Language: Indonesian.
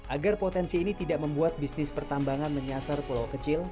agar potensi ini tidak membuat bisnis pertambangan menyasar pulau kecil